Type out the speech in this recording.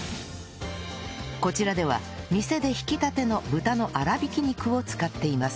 こちらでは店で挽きたての豚の粗挽き肉を使っています